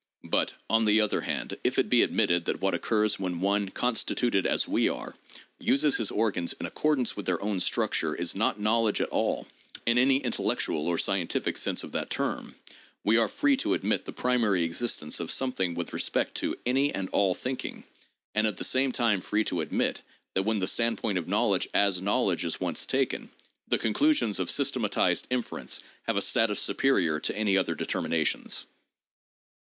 But, on the other hand, if it be admitted that what occurs when "one constituted as we are" uses his organs in accordance with their own structure is not knowledge at all— in any intellectual or scien tific sense of that term — we are free to admit the primary existence of something with respect to any and all thinking, and at the same time free to admit that when the standpoint of knowledge as knowl edge is once taken, the conclusions of systematized inference have a status superior to any other determinations.